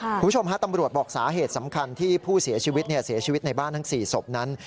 คุณผู้ชมฮะตำรวจบอกสาเหตุสำคัญที่ผู้เสียชีวิตเสียชีวิตในบ้านทั้ง๔ศพนั้น